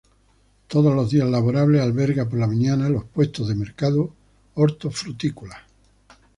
Todos los días laborables alberga por la mañana los puestos del mercado hortofrutícola.